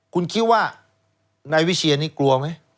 คุณคิดว่านายวิเชียนี่กลัวไหม